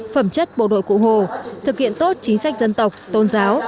phẩm chất bộ đội cụ hồ thực hiện tốt chính sách dân tộc tôn giáo